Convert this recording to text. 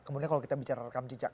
kemudian kalau kita bicara rekam jejak